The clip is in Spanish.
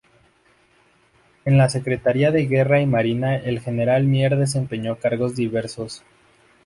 En la Secretaría de Guerra y Marina el general Mier desempeñó cargos diversos.